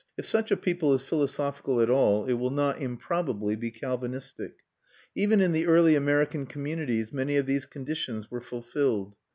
If such a people is philosophical at all, it will not improbably be Calvinistic. Even in the early American communities many of these conditions were fulfilled.